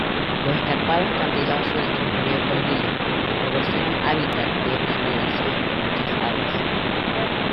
Los escarpados acantilados, sueltos del río Colville proporcionan hábitat de anidación de muchas aves.